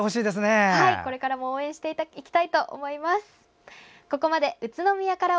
これからも応援していきたいと思います。